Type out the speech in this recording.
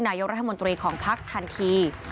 นายกรัฐมนตรีของพักทันที